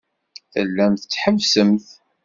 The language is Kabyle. Tellamt tḥebbsemt.